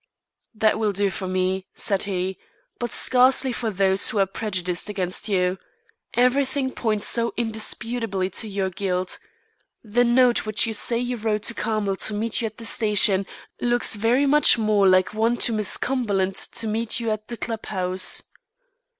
"That will do for me," said he, "but scarcely for those who are prejudiced against you. Everything points so indisputably to your guilt. The note which you say you wrote to Carmel to meet you at the station looks very much more like one to Miss Cumberland to meet you at the club house."